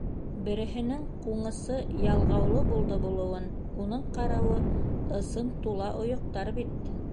Береһенең ҡуңысы ялғаулы булды булыуын, уның ҡарауы ысын тула ойоҡтар бит!